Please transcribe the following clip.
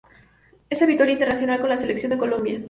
Es habitual internacional con la Selección de Colombia.